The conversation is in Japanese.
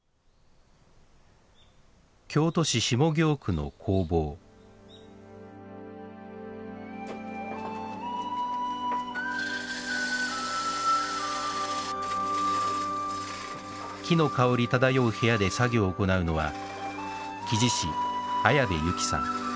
京都市下京区の工房木の香り漂う部屋で作業を行うのは木地師綾部之さん。